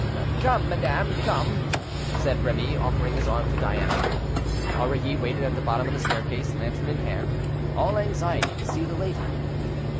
"Come, madame, come," said Remy, offering his arm to Diana. Aurilly waited at the bottom of the staircase, lantern in hand, all anxiety to see the lady.